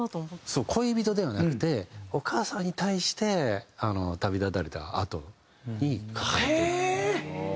そう恋人ではなくてお母様に対して旅立たれたあとに書かれてる。